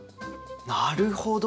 なるほど。